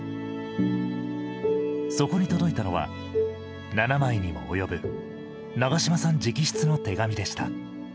そこに届いたのは７枚にも及ぶ長嶋さん直筆の手紙でした。